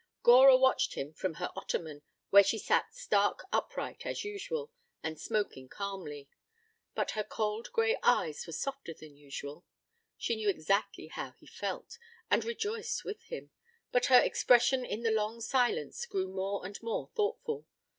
Gora watched him from her ottoman, where she sat stark upright, as usual, and smoking calmly. But her cold gray eyes were softer than usual. She knew exactly how he felt and rejoiced with him, but her expression in the long silence grew more and more thoughtful.